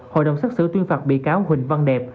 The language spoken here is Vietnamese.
hội đồng xác xử tuyên phạt bị cáo huỳnh văn đẹp